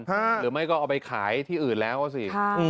หรือไม่ก็เอาไปขายที่อื่นแล้วอ่ะสิ